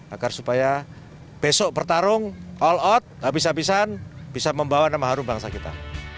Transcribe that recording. agar supaya besok bertarung all out habis habisan bisa membawa nama harum bangsa kita